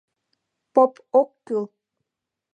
Поп ок кӱл!